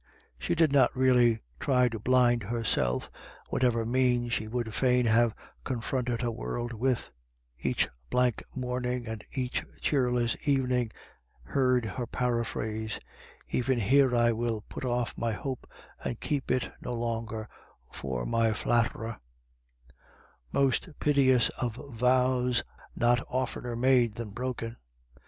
She did not really try to blind herself, whatever mien she would fain have confronted her world with Each blank morning, and each cheerless evening, heard her paraphrase :" Even here I will put off my hope and keep it no longer for my flatterer ;" most piteous of vows, not oftener made than broken.